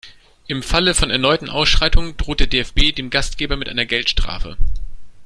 Im Falle von erneuten Ausschreitungen droht der DFB dem Gastgeber mit einer Geldstrafe.